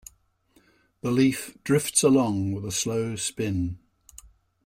The leaf drifts along with a slow spin.